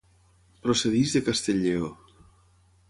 Procedeix de Castell-lleó.